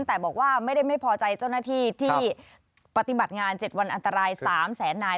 แต่บอกว่าไม่ได้ไม่พอใจเจ้าหน้าที่ที่ปฏิบัติงาน๗วันอันตราย๓แสนนาย